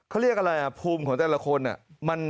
เขาเรียกอะไรอ่ะภูมิของแต่ละคนเนี่ย